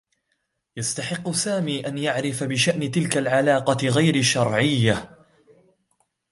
يستحقّ سامي أن يعرف بشأن تلك العلاقة غير شرعيّة.